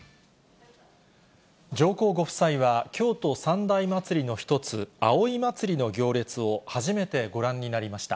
上皇ご夫妻は、京都三大祭りの一つ、葵祭の行列を初めてご覧になりました。